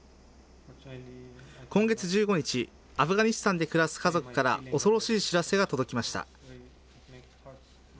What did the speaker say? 今月１５日、アフガニスタンで暮らす家族から、恐ろしい知らせが届きました。